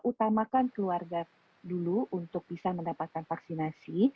utamakan keluarga dulu untuk bisa mendapatkan vaksinasi